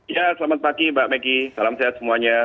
ya selamat pagi mbak megi salam sehat semuanya